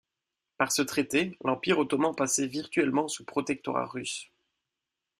Par ce traité, l'empire ottoman passait virtuellement sous protectorat russe.